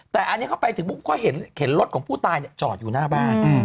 แต่อันนี้เข้าไปสิมึงก็เห็นรถของผู้ตายเนี่ยต้องจอดอยู่หน้าบ้าน